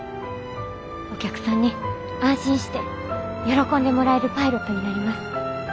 お客さんに安心して喜んでもらえるパイロットになります。